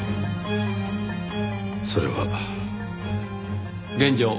それは。現状